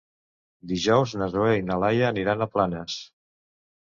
Dijous na Zoè i na Laia aniran a Planes.